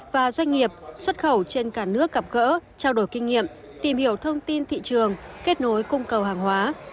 và doanh nghiệp xuất khẩu trên cả nước gặp gỡ trao đổi kinh nghiệm tìm hiểu thông tin thị trường kết nối cung cầu hàng hóa